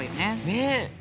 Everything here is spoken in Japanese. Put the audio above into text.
ねえ。